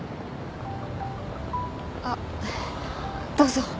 あっどうぞ。